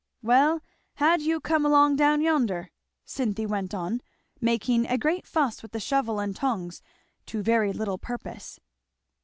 "Well, how do you come along down yonder?" Cynthy went on, making a great fuss with the shovel and tongs to very little purpose.